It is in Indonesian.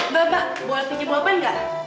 mbak boleh pindahin bawa ban gak